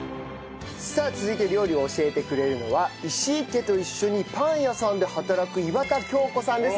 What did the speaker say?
さあ続いて料理を教えてくれるのは石井家と一緒にパン屋さんで働く岩田杏子さんです。